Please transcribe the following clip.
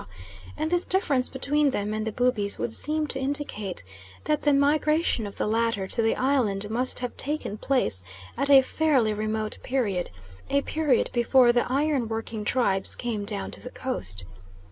and this difference between them and the Bubis would seem to indicate that the migration of the latter to the island must have taken place at a fairly remote period, a period before the iron working tribes came down to the coast.